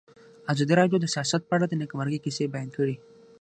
ازادي راډیو د سیاست په اړه د نېکمرغۍ کیسې بیان کړې.